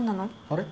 あれ？